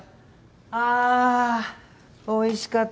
あおいしかった。